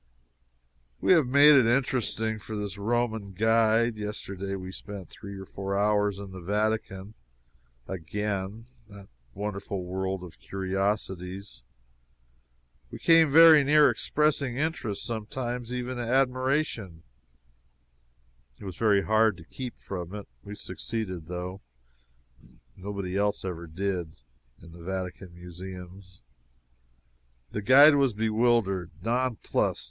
We have made it interesting for this Roman guide. Yesterday we spent three or four hours in the Vatican, again, that wonderful world of curiosities. We came very near expressing interest, sometimes even admiration it was very hard to keep from it. We succeeded though. Nobody else ever did, in the Vatican museums. The guide was bewildered non plussed.